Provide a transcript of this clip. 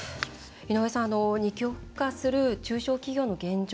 井上さん二極化する中小企業の現状